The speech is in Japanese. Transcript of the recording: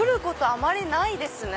あまりないですね。